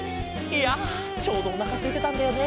いやちょうどおなかすいてたんだよね。